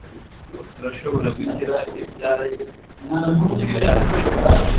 Turashobora gushyira ibyabaye inyuma yacu?